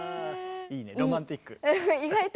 いいねロマンチック。